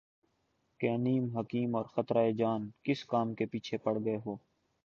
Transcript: کہ نیم حکیم اور خطرہ جان ، کس کام کے پیچھے پڑ گئے ہو